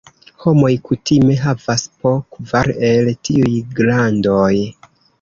Homoj kutime havas po kvar el tiuj glandoj.